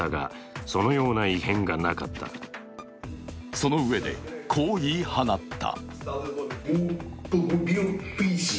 そのうえで、こう言い放った。